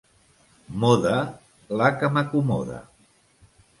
Moda, la que m'acomoda.